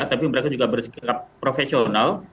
tapi mereka juga bersikap profesional